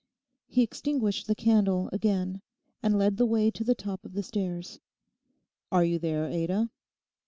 He extinguished the candle again, and led the way to the top of the stairs. 'Are you there, Ada?